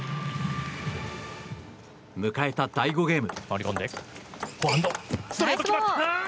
迎えた第５ゲーム。